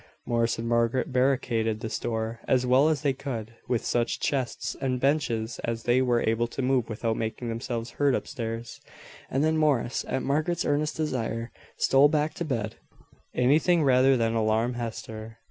Morris and Margaret barricaded this door as well as they could, with such chests and benches as they were able to move without making themselves heard up stairs: and then Morris, at Margaret's earnest desire, stole back to bed. Anything rather than alarm Hester.